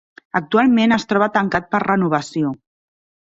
Actualment es troba tancat per renovació.